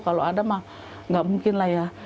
kalau ada mah nggak mungkin lah ya